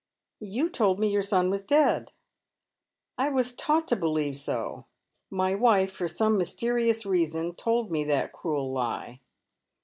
" You told me your son was dead." " I was taught to believe so. My wife, for some mysterions reason, told me that cruel lie.